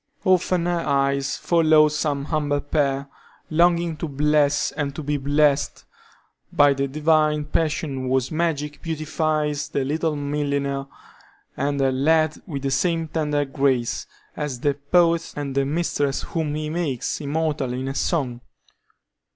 Often her eyes followed some humble pair, longing to bless and to be blessed by the divine passion whose magic beautifies the little milliner and her lad with the same tender grace as the poet and the mistress whom he makes immortal in a song.